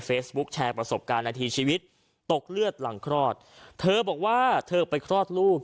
แชร์ประสบการณ์นาทีชีวิตตกเลือดหลังคลอดเธอบอกว่าเธอไปคลอดลูก